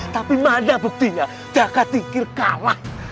tapi mana buktinya jaga tikir kalah